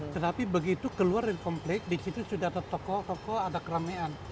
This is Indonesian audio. tetapi begitu keluar dari kompleks di situ sudah tertoko toko ada keramaian